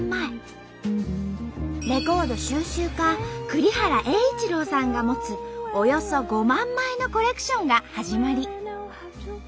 レコード収集家栗原榮一朗さんが持つおよそ５万枚のコレクションが始まり。